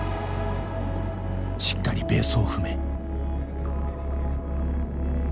しっかりベースを踏め。